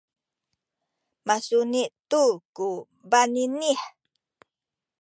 masuni tu ku baninih